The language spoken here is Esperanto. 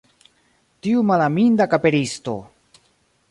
Tiu malaminda kaperisto!